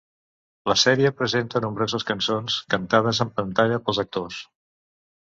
La sèrie presenta nombroses cançons cantades en pantalla pels actors.